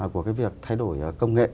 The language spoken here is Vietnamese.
của cái việc thay đổi công nghệ